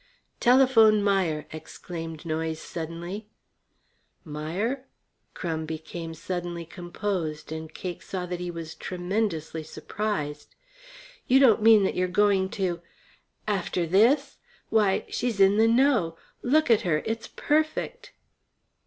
"Telephone Meier," exclaimed Noyes suddenly. "Meier?" Crum became immediately composed, and Cake saw that he was tremendously surprised. "You don't mean that you're going to After this? Why, she's in the know. Look at her. It's perfect!"